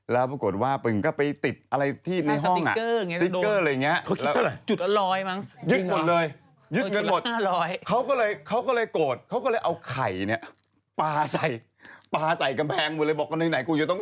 แล้วปรากฏว่าเดี๋ยวกันก็ไปติดอะไรที่ในห้อง